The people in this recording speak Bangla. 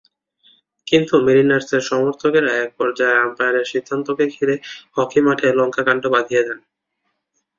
কিন্তু মেরিনার্সের সমর্থকেরা একপর্যায়ে আম্পায়ারের সিদ্ধান্তকে ঘিরে হকি মাঠে লঙ্কাকাণ্ড বাঁধিয়ে দেন।